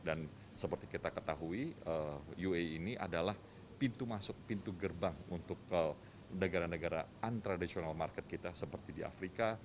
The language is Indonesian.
dan seperti kita ketahui uae ini adalah pintu masuk pintu gerbang untuk negara negara untradisional market kita seperti di afrika